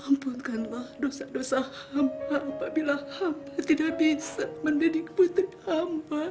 ampunkanlah dosa dosa hamba apabila hamba tidak bisa mendidik putri hamba